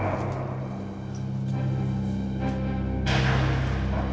kau tahu apa